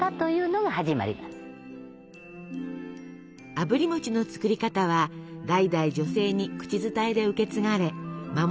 あぶり餅の作り方は代々女性に口伝えで受け継がれ守られてきました。